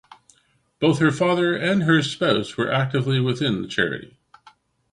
Both her father and her spouse were active within charity.